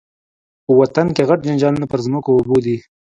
په وطن کي غټ جنجالونه پر مځکو او اوبو دي